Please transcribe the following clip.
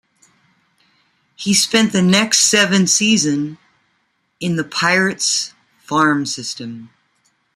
He spent the next seven season in the Pirates' farm system.